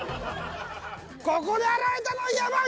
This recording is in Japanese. ここで現れたのは山内！